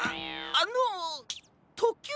あのとっきゅう